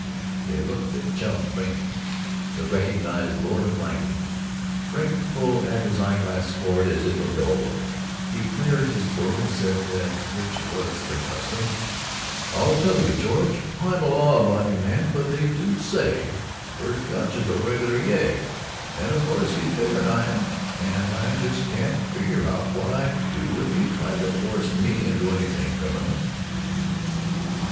They looked at Chum Frink, the recognized lord of language. Frink pulled at his eye glass cord as at a bell rope, he cleared his throat and said that which was the custom: "I'll tell you, George: I'm a law abiding man, but they do say Verg Gunch is a regular yegg, and of course he's bigger 'n I am, and I just can't figure out what I'd do if he tried to force me into anything criminal!"